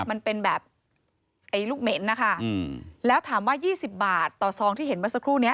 มันเป็นแบบไอ้ลูกเหม็นนะคะแล้วถามว่า๒๐บาทต่อซองที่เห็นเมื่อสักครู่นี้